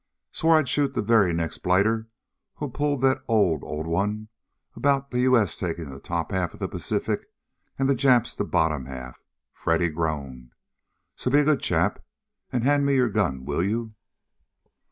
"Swore I'd shoot the very next blighter who pulled that old, old one about the U.S. taking the top half of the Pacific, and the Japs the bottom half!" Freddy groaned. "So be a good chap, and hand me your gun, will you?"